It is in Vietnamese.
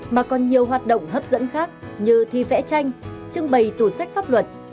mà còn nhiều hoạt động hấp dẫn khác như thi vẽ tranh trưng bày tủ sách pháp luật